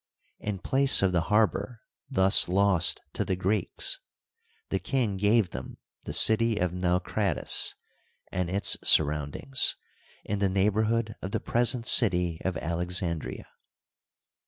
In place of the harbor thus lost to the Greeks, the king gave them the city of Naucratis and its surroundings, in the neighbor hood of the present city of Alexandria.